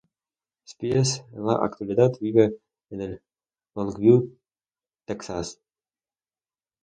Spies en la actualidad vive en Longview, Texas.